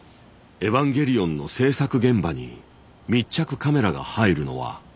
「エヴァンゲリオン」の制作現場に密着カメラが入るのは史上初。